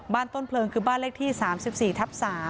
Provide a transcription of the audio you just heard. ต้นเพลิงคือบ้านเลขที่๓๔ทับ๓